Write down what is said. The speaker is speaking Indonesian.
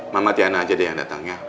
mama tiana aja deh yang datang ya